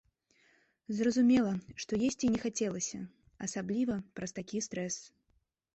Зразумела, што есці і не хацелася асабліва праз такі стрэс.